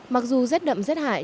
mặc dù rét đậm rét hại